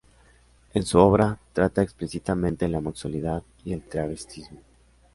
En su obra, trata explícitamente la homosexualidad y el travestismo.